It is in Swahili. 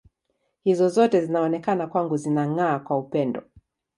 Hizo zote zinaonekana kwangu zinang’aa kwa upendo.